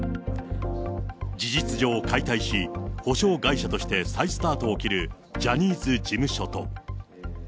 事実上解体し、補償会社として再スタートを切るジャニーズ事務所と。